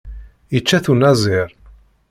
Ičča-t unazir.